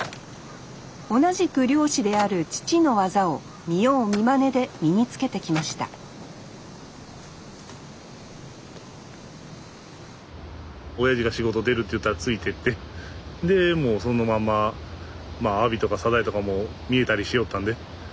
同じく漁師である父の技を見よう見まねで身につけてきましたおやじが仕事出ると言ったらついてってでもうそのままアワビとかサザエとかも見えたりしよったんで。